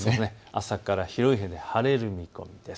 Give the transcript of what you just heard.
朝から広い範囲で晴れる見込みです。